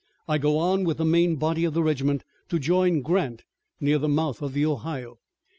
I go on with the main body of the regiment to join Grant, near the mouth of the Ohio.